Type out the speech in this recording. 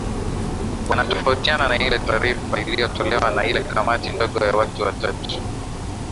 wana tofautina na ile taarifa iliyotolewa na ile kamati ndogo ya watu watatu